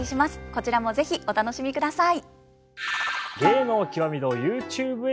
こちらも是非お楽しみください。